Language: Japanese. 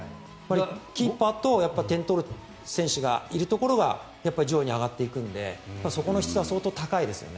キーパーと点を取る選手がいるところはやっぱり上位に上がっていくのでそこの質は相当高いですね。